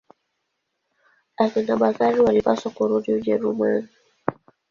Akina Bakari walipaswa kurudi Ujerumani.